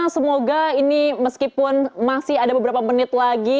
semoga ini meskipun masih ada beberapa menit lagi